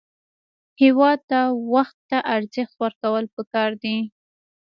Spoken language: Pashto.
هېواد ته وخت ته ارزښت ورکول پکار دي